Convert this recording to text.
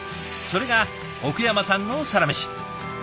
それが奥山さんのサラメシ。